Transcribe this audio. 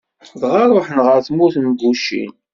dɣa ṛuḥen ɣer tmurt n Gucin.